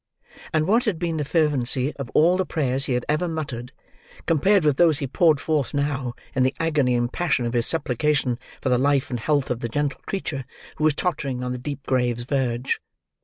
And what had been the fervency of all the prayers he had ever muttered, compared with those he poured forth, now, in the agony and passion of his supplication for the life and health of the gentle creature, who was tottering on the deep grave's verge!